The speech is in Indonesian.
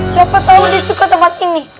siapa tahu dia suka tempat ini